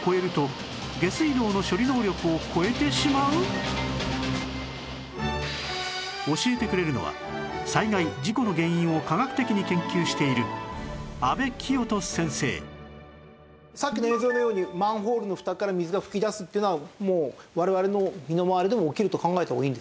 実は教えてくれるのは災害事故の原因を科学的に研究しているさっきの映像のようにマンホールの蓋から水が噴き出すっていうのはもう我々の身の回りでも起きると考えた方がいいんですか？